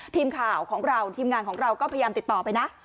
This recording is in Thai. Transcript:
ทีมข่าวของเราทีมงานของเราก็พยายามติดต่อไปนะ